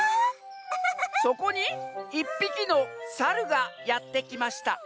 「そこにいっぴきのサルがやってきました」。